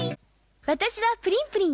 私はプリンプリン。